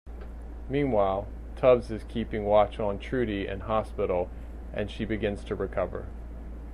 Meanwhile, Tubbs is keeping watch on Trudy in hospital, and she begins to recover.